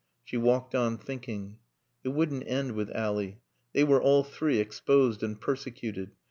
She walked on thinking. It wouldn't end with Ally. They were all three exposed and persecuted.